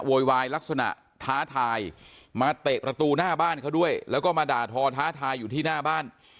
โวยวายลักษณะท้าทายมาเตะประตูหน้าบ้านเขาด้วยแล้วก็มาด่าทอท้าทายอยู่ที่หน้าบ้าน